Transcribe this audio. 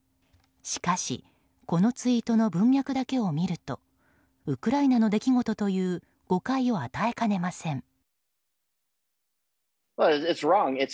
しかしこのツイートの文脈だけを見るとウクライナの出来事という誤解を与えかねません。